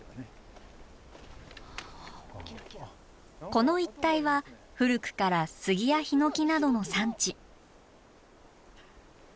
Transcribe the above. この一帯は古くから杉やひのきなどの産地。